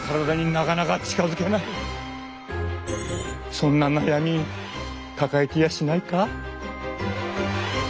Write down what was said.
そんな悩み抱えていやしないか？